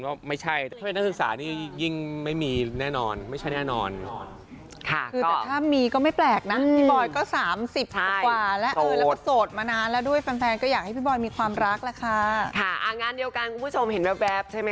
ว่าที่เดียวกันก็อยากให้เพื่อนมีความรักแหละค่ะ